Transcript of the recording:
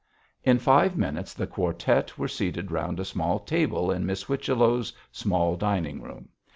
In five minutes the quartette were seated round a small table in Miss Whichello's small dining room.